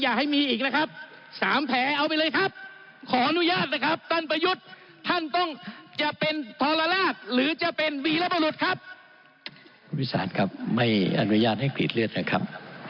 คุณวิสานครับไม่อนุญาตให้กรีดเลือดนะครับ